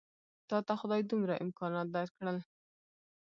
تاته خدای دومره امکانات درکړل.